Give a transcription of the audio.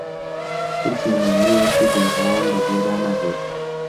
ھیچ نموونەیەکی گونجاوم بە بیردا ناھێت.